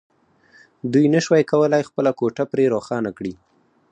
دوی نشوای کولای خپله کوټه پرې روښانه کړي